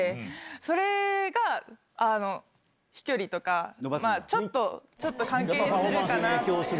それが飛距離とか、ちょっと関係するかなって。